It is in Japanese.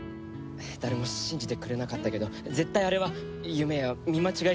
誰も信じてくれなかったけど絶対あれは夢や見間違いじゃなくて。